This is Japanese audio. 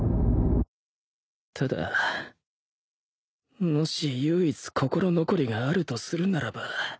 ただもし唯一心残りがあるとするならば